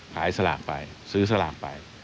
สลากไปซื้อสลากไป